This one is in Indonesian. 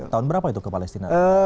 tahun berapa itu ke palestina